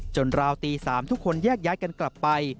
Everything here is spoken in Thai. ราวตี๓ทุกคนแยกย้ายกันกลับไป